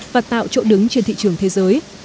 và tạo chỗ đứng trên thị trường thế giới